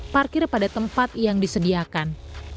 parkir pada tempat yang disediakan